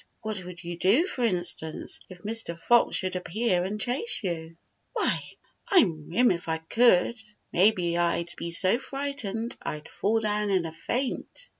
What would you do, for instance, if Mr. Fox should appear and chase you?" "Why, I'd rim if I could. Maybe I'd be so frightened I'd fall down in a faint."